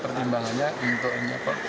pertimbangannya intonya apa